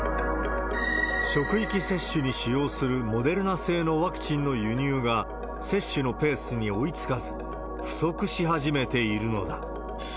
職域接種に使用するモデルナ製のワクチンの輸入が接種のペースに追いつかず、不足し始めているのだ。